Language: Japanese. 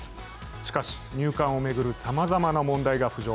しかし、入管を巡るさまざまな問題が浮上。